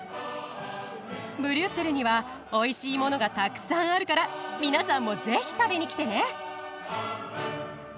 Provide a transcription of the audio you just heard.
ブリュッセルにはおいしいものがたくさんあるから皆さんもぜひ食べにきてね！